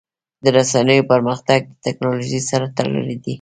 د رسنیو پرمختګ د ټکنالوژۍ سره تړلی دی.